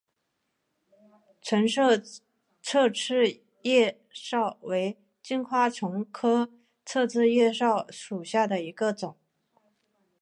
钝色侧刺叶蚤为金花虫科侧刺叶蚤属下的一个种。